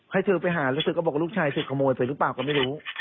ให้เธอไปหาแล้วเธอก็บอกลูกชายเธอขโมยเธอหรือเปล่าก็ไม่รู้